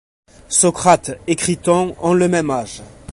Socrate et Criton ont le même âge.